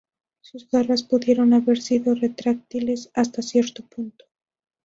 Sus garras pudieron haber sido retráctiles hasta cierto punto.